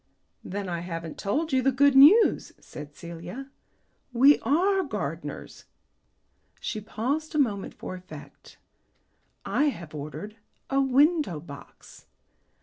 "Then I haven't told you the good news," said Celia. "We are gardeners." She paused a moment for effect. "I have ordered a window box."